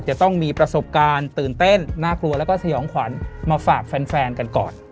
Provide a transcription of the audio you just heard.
จะต้องมีประสบการณ์ตื่นเต้นน่ากลัวแล้วก็สยองขวัญมาฝากแฟนกันก่อน